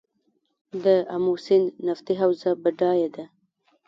د امو سیند نفتي حوزه بډایه ده؟